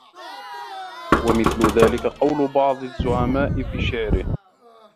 وَمِثْلُ ذَلِكَ قَوْلُ بَعْضِ الزُّعَمَاءِ فِي شِعْرِهِ